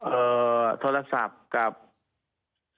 เอ่อโทรศัพท์กับคุณพ่อ